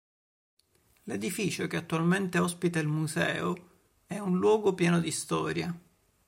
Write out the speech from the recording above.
L'edificio che attualmente ospita il museo, è un luogo pieno di storia.